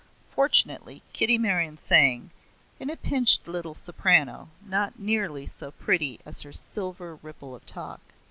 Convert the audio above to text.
Fortunately Kitty Meryon sang, in a pinched little soprano, not nearly so pretty as her silver ripple of talk.